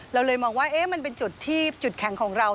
เราเลยมองว่ามันเป็นจุดที่จุดแข็งของเรา